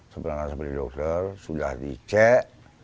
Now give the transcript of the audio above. sebenarnya seperti dokter sudah dicek